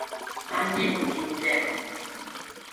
Anneni dinle.